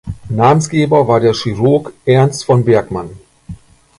Namensgeber war der Chirurg Ernst von Bergmann.